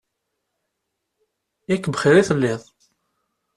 Yak bxir i telliḍ!